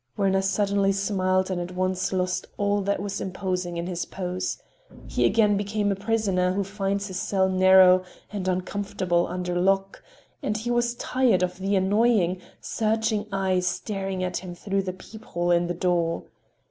Werner suddenly smiled and at once lost all that was imposing in his pose; he again became a prisoner who finds his cell narrow and uncomfortable under lock, and he was tired of the annoying, searching eye staring at him through the peephole in the door.